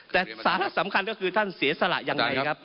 แต่สาระสำคัญก็คือท่านเสียสละยังไงครับ